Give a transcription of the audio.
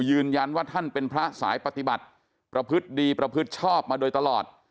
ยืนยันว่าท่านเป็นพระสายปฏิบัติประพฤติดีประพฤติชอบมาโดยตลอด